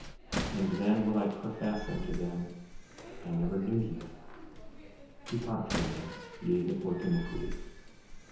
14:23 And then will I profess unto them: I never knew you; depart from me, ye that work iniquity.